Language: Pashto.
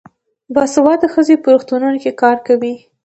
باسواده ښځې په روغتونونو کې کار کوي.